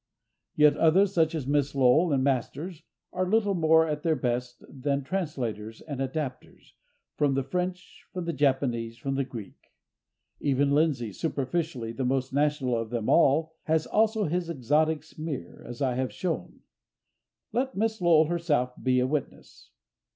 Yet others, such as Miss Lowell and Masters, are little more, at their best, than translators and adapters—from the French, from the Japanese, from the Greek. Even Lindsay, superficially the most national of them all, has also his exotic smear, as I have shown. Let Miss Lowell herself be a witness.